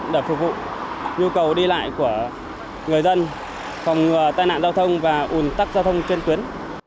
để phục vụ nhu cầu đi lại của người dân phòng ngừa tai nạn giao thông và ủn tắc giao thông trên tuyến